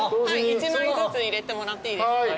１枚ずつ入れてもらっていいですか？